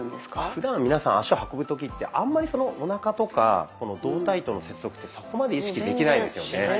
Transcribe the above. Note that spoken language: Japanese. ふだん皆さん足を運ぶ時ってあんまりおなかとか胴体との接続ってそこまで意識できないですよね。